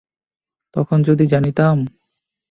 তখন যদি জানিতাম!